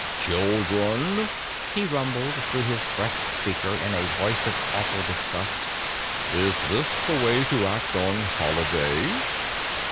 "Children," he rumbled through his breast speaker in a voice of awful disgust, "is this the way to act on Holiday?"